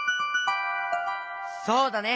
そうだね。